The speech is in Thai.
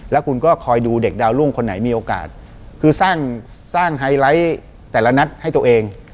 แล้วคุณก็คอยดูเด็กดาวรุ่งคนไหนมีโอกาสคือสร้างไฮไลท์แต่ละนัดให้ตัวเอง